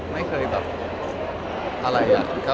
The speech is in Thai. แบบรู้เหรอเป็นอะไร